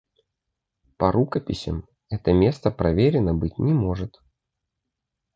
По рукописям это место проверено быть не может.